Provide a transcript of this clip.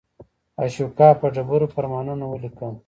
اشوکا په ډبرو فرمانونه ولیکل.